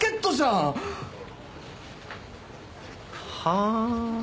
はあ。